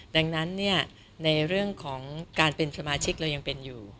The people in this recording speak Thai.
ดังนั้นในเรื่องของการเป็นสมาชิกเรายังเป็นอยู่